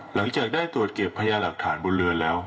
หลังจากได้ตรวจเก็บพยาหลักฐานบนเรือแล้ว